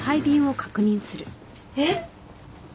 えっ！？